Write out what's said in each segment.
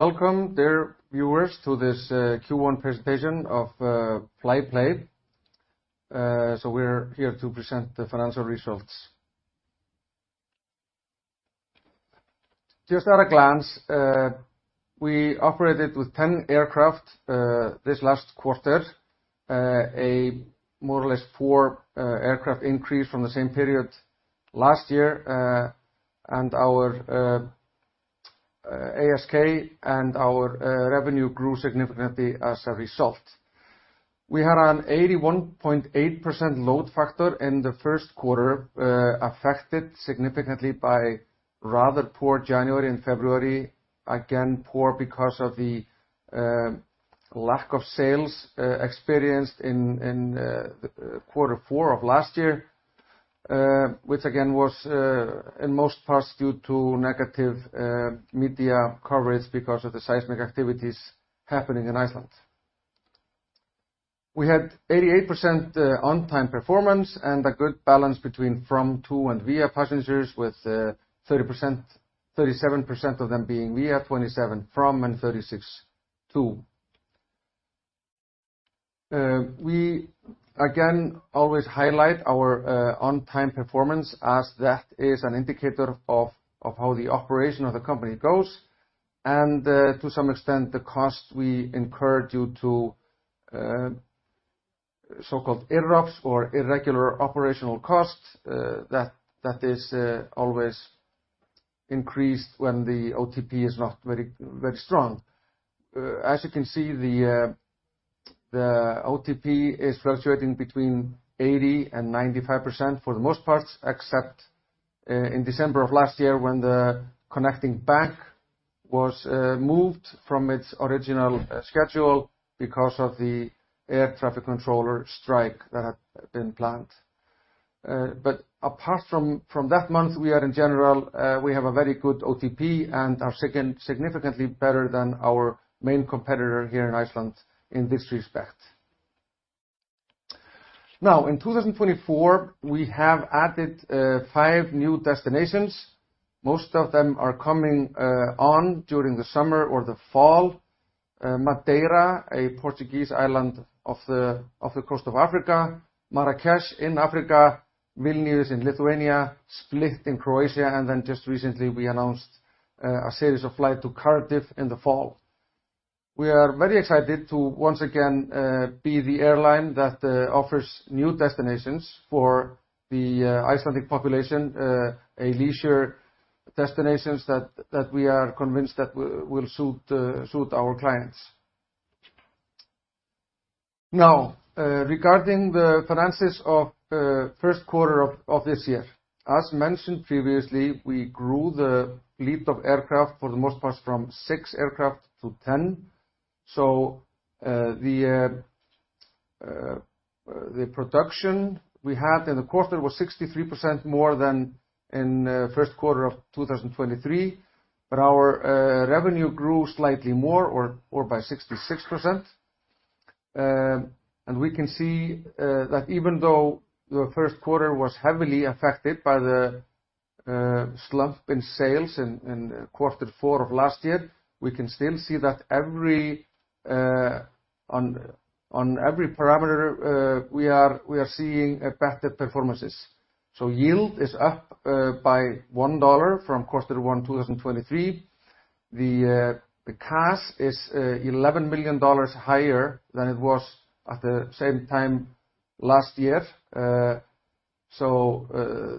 Welcome, dear viewers, to this Q1 presentation of Fly Play. So we're here to present the financial results. Just at a glance, we operated with 10 aircraft this last quarter, a more or less 4-aircraft increase from the same period last year, and our ASK and our revenue grew significantly as a result. We had an 81.8% load factor in the first quarter, affected significantly by rather poor January and February, again poor because of the lack of sales experienced in quarter four of last year, which again was in most parts due to negative media coverage because of the seismic activities happening in Iceland. We had 88% on-time performance and a good balance between from, to, and via passengers with 30% 37% of them being via, 27% from, and 36% to. We again always highlight our on-time performance as that is an indicator of how the operation of the company goes, and, to some extent, the cost we incur due to so-called IRROPS or irregular operational cost, that that is always increased when the OTP is not very, very strong. As you can see, the OTP is fluctuating between 80%-95% for the most parts except in December of last year when the connecting bank was moved from its original schedule because of the air traffic controller strike that had been planned. But apart from that month we are in general we have a very good OTP and are significantly better than our main competitor here in Iceland in this respect. Now, in 2024 we have added five new destinations. Most of them are coming on during the summer or the fall. Madeira, a Portuguese island off the coast of Africa. Marrakech in Africa. Vilnius in Lithuania. Split in Croatia. And then just recently we announced a series of flights to Cardiff in the fall. We are very excited to once again be the airline that offers new destinations for the Icelandic population, leisure destinations that we are convinced that we'll suit our clients. Now, regarding the finances of the first quarter of this year. As mentioned previously we grew the fleet of aircraft for the most part from 6 aircraft to 10. So, the production we had in the quarter was 63% more than in the first quarter of 2023, but our revenue grew slightly more, or by 66%. We can see that even though the first quarter was heavily affected by the slump in sales in quarter four of last year, we can still see that on every parameter, we are seeing better performances. So yield is up by $1 from quarter one 2023. The cash is $11 million higher than it was at the same time last year. So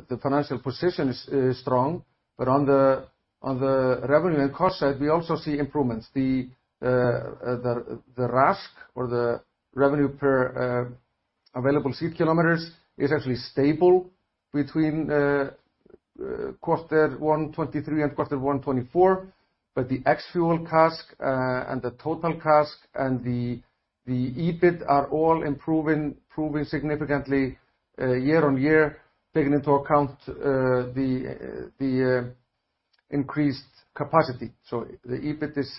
the financial position is strong, but on the revenue and cost side we also see improvements. The RASK or the revenue per available seat kilometers is actually stable between quarter one 2023 and quarter one 2024, but the ex-fuel CASK, and the total CASK and the EBIT are all improving, proving significantly year-on-year taking into account the increased capacity. So the EBIT is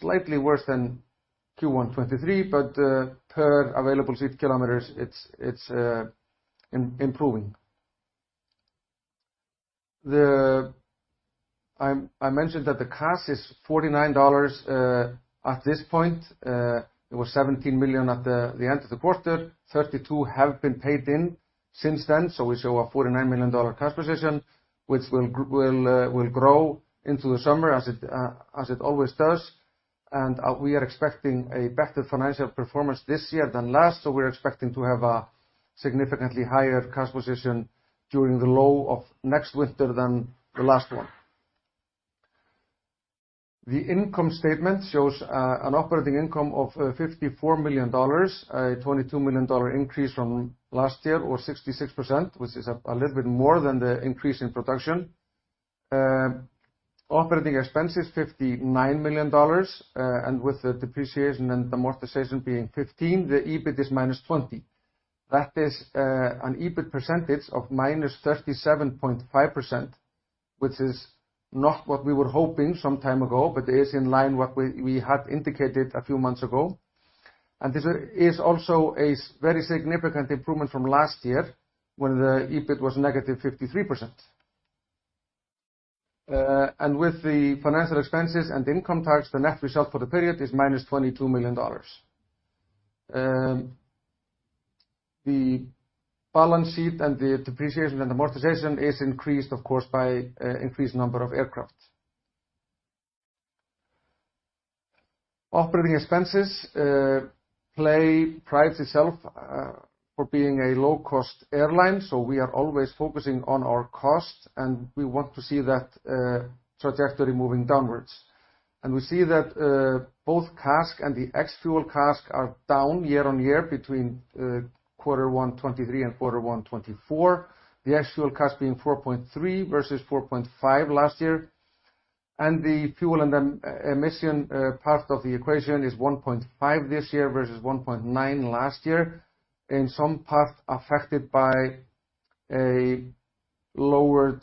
slightly worse than Q1 2023, but per available seat kilometers it's improving. I mentioned that the cash is $49 million at this point. It was $17 million at the end of the quarter. $32 million have been paid in since then, so we show a $49 million cash position which will grow into the summer as it always does. We are expecting a better financial performance this year than last, so we're expecting to have a significantly higher cash position during the low of next winter than the last one. The income statement shows an operating income of $54 million, a $22 million increase from last year or 66% which is a little bit more than the increase in production. Operating expenses $59 million, and with the depreciation and amortization being 15% the EBIT is -20%. That is, an EBIT percentage of -37.5% which is not what we were hoping some time ago, but it is in line with what we, we had indicated a few months ago. And this is also a very significant improvement from last year when the EBIT was -53%. And with the financial expenses and income tax the net result for the period is -$22 million. The balance sheet and the depreciation and amortization is increased of course by, increased number of aircraft. Operating expenses, PLAY prides itself, for being a low-cost airline, so we are always focusing on our cost and we want to see that, trajectory moving downwards. And we see that, both CASK and the ex-fuel CASK are down year-on-year between, quarter one 2023 and quarter one 2024, the ex-fuel CASK being 4.3 versus 4.5 last year. The fuel and emission part of the equation is 1.5 this year versus 1.9 last year, in some part affected by lowered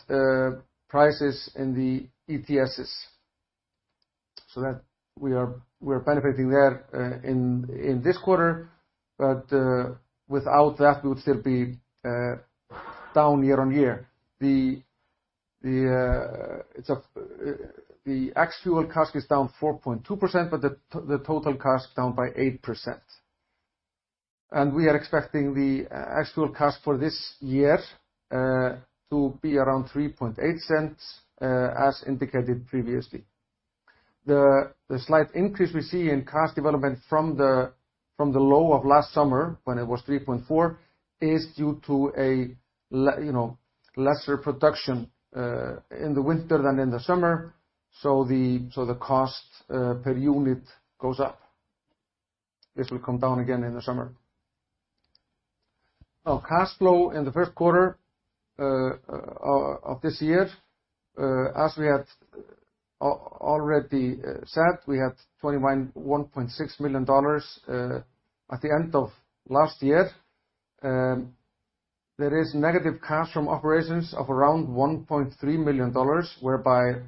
prices in the ETS. So we are benefiting there in this quarter, but without that we would still be down year-on-year. The ex-fuel CASK is down 4.2%, but the total CASK down by 8%. We are expecting the ex-fuel CASK for this year to be around $0.038, as indicated previously. The slight increase we see in CASK development from the low of last summer when it was $0.034 is due to, you know, lesser production in the winter than in the summer, so the cost per unit goes up. This will come down again in the summer. Now, cash flow in the first quarter of this year, as we had already said, we had $21.6 million at the end of last year. There is negative cash from operations of around $1.3 million, whereby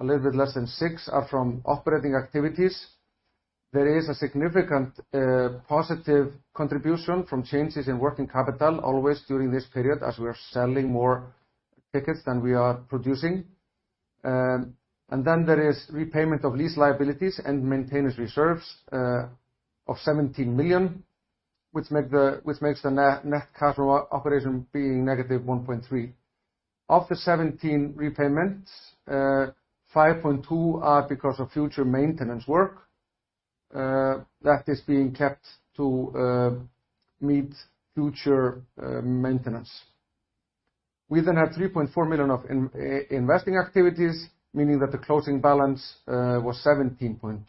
a little bit less than 6 are from operating activities. There is a significant positive contribution from changes in working capital always during this period as we are selling more tickets than we are producing. And then there is repayment of lease liabilities and maintenance reserves of $17 million, which makes the net cash from operation being -1.3%. Of the $17 million repayments, 5.2% are because of future maintenance work. That is being kept to meet future maintenance. We then had $3.4 million of investing activities meaning that the closing balance was $17.2 million,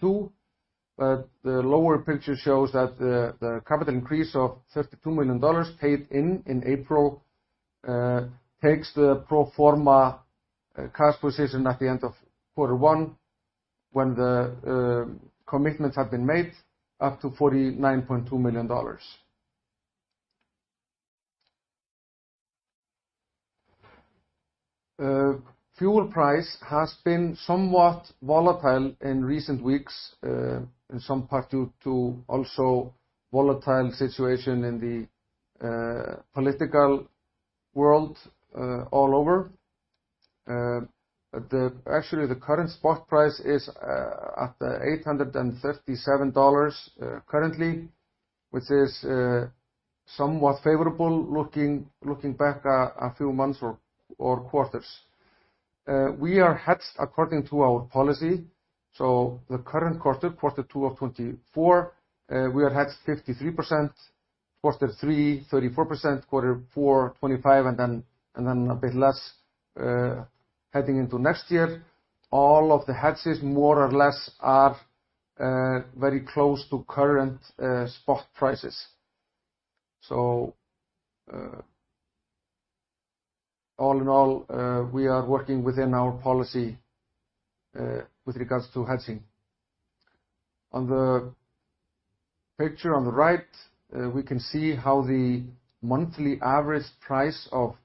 but the lower picture shows that the capital increase of $32 million paid in April takes the pro forma CASK position at the end of quarter one when the commitments had been made up to $49.2 million. Fuel price has been somewhat volatile in recent weeks, in some part due to also volatile situation in the political world all over. Actually the current spot price is at $837 currently which is somewhat favorable looking back a few months or quarters. We are hedged according to our policy, so the current quarter, quarter two of 2024, we are hedged 53%. Quarter three 34%. Quarter four 25% and then a bit less heading into next year. All of the hedges more or less are very close to current spot prices. So, all in all, we are working within our policy, with regards to hedging. On the picture on the right, we can see how the monthly average price of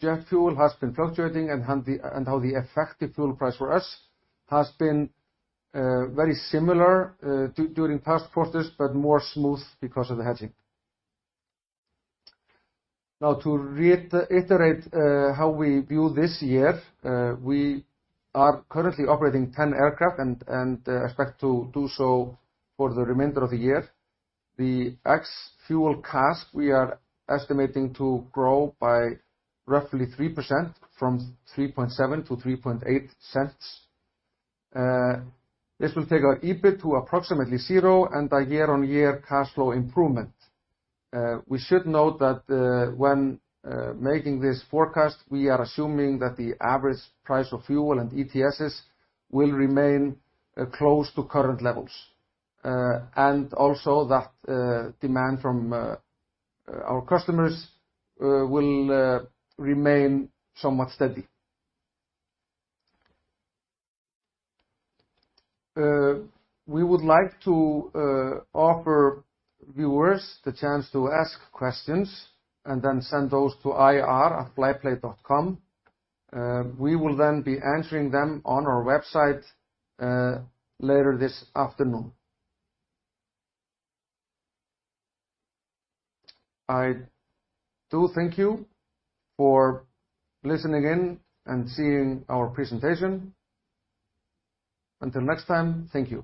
jet fuel has been fluctuating and how the effective fuel price for us has been very similar during past quarters but more smooth because of the hedging. Now, to reiterate, how we view this year, we are currently operating 10 aircraft and expect to do so for the remainder of the year. The ex-fuel CASK we are estimating to grow by roughly 3% from 3.7% to 3.8%. This will take our EBIT to approximately zero and a year-on-year cash flow improvement. We should note that when making this forecast, we are assuming that the average price of fuel and ETSs will remain close to current levels, and also that demand from our customers will remain somewhat steady. We would like to offer viewers the chance to ask questions and then send those to ir@flyplay.com. We will then be answering them on our website later this afternoon. I do thank you for listening in and seeing our presentation. Until next time, thank you.